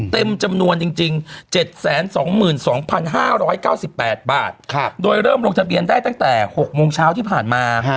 เต็มจำนวนจริง๗๒๒๕๙๘บาทโดยเริ่มลงทะเบียนได้ตั้งแต่๖โมงเช้าที่ผ่านมา